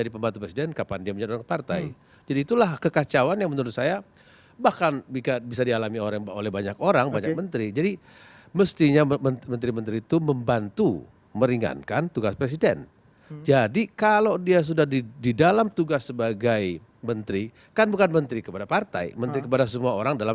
itu kita telah sepakat bahwa kita serahkan kepada presiden